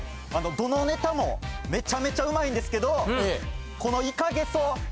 どのネタもめちゃめちゃうまいんですけどこのイカゲソ！